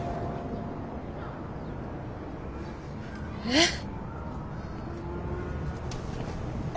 えっ。